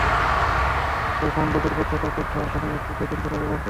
গন্ধ দূর করতে কাপড় ধোয়ার সময় একটু বেকিং সোডা ব্যবহার করুন।